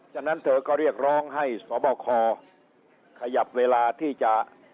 ฉะนั้นเธอก็เรียกร้องให้สบคขยับเวลาที่จะ